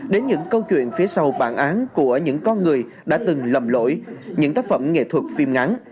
đến những câu chuyện phía sau bản án của những con người đã từng lầm lỗi những tác phẩm nghệ thuật phim ngắn